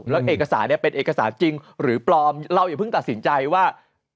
แล้วเอกสารเนี่ยเป็นเอกสารจริงหรือปลอมเราอย่าเพิ่งตัดสินใจว่า